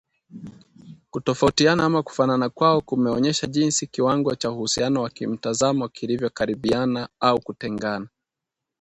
Kutofautiana ama kufanana kwao kumeonyesha jinsi kiwango cha uhusiano wa kimtazamo kilivyokaribiana au kutengana